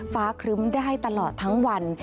ครึ้มได้ตลอดทั้งวัน